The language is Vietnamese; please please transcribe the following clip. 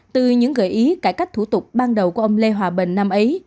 từ những gợi ý cải cách thủ tục ban đầu của ông lê hòa bình năm ấy